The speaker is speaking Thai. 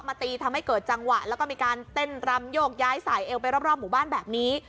ตีทำให้เกิดจังหวะแล้วก็มีการเต้นรำโยกย้ายสายเอวไปรอบหมู่บ้านแบบนี้